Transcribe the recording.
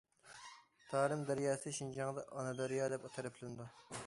تارىم دەرياسى شىنجاڭدا« ئانا دەريا» دەپ تەرىپلىنىدۇ.